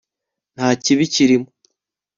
nta kibi kirimo